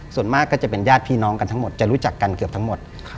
ส่วนมากก็จะเป็นญาติพี่น้องกันทั้งหมดจะรู้จักกันเกือบทั้งหมด